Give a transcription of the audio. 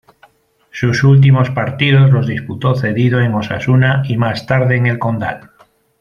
Sus últimos partidos los disputó cedido en Osasuna y más tarde en el Condal.